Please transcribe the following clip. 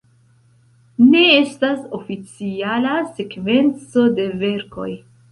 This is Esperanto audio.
Ne estas oficiala sekvenco de verkoj.